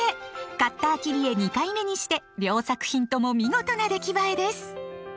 カッター切り絵２回目にして両作品とも見事な出来栄えです。